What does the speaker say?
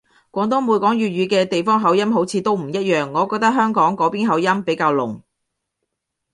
廣東每講粵語嘅地方口音好似都唔一樣，我覺得香港嗰邊口音比較濃